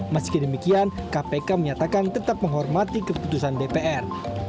meski demikian kpk menyatakan tetap menghormati keputusan dpr